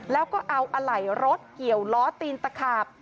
แล้วก็เอาอะไหล่รถเกี่ยวล้อตีนตะขาบ